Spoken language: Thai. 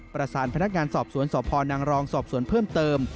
พนักงานสอบสวนสพนางรองสอบสวนเพิ่มเติม